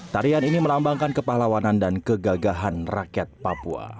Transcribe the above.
tarian ini melambangkan kepahlawanan dan kegagahan rakyat papua